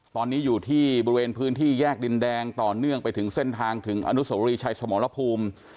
ตอนนี้อยู่ที่บริเวณพื้นที่แยกดินแดงต่อเนื่องไปถึงเส้นทางถึงอนุสวรีชัยสมรภูมิ